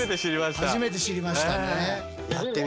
初めて知りましたね。